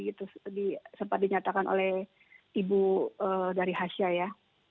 itu sempat dinyatakan oleh ibu dari hasha ya